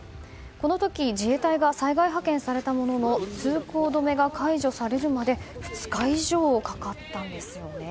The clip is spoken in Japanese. この時、自衛隊が災害派遣されたものの通行止めが解除されるまで２日以上かかったんですよね。